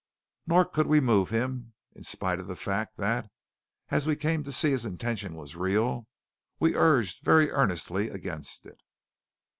Nor could we move him, in spite of the fact that, as we came to see his intention was real, we urged very earnestly against it.